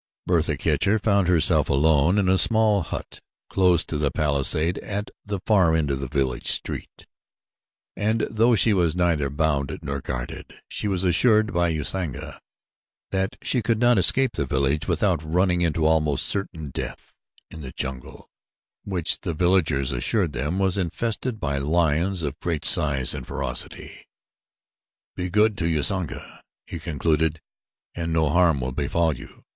Bertha Kircher found herself alone in a small hut close to the palisade at the far end of the village street, and though she was neither bound nor guarded, she was assured by Usanga that she could not escape the village without running into almost certain death in the jungle, which the villagers assured them was infested by lions of great size and ferocity. "Be good to Usanga," he concluded, "and no harm will befall you.